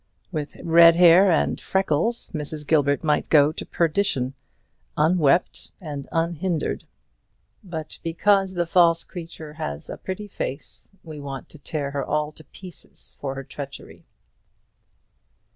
With red hair and freckles Mrs. Gilbert might go to perdition, unwept and unhindered; but because the false creature has a pretty face we want to tear her all to pieces for her treachery."